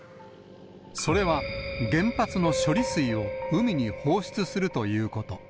それは原発の処理水を海に放出するということ。